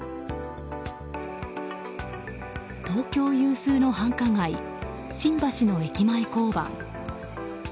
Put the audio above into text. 東京有数の繁華街新橋の駅前交番。